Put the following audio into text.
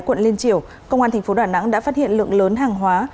quận liên triều công an thành phố đà nẵng đã phát hiện lượng lớn hàng hóa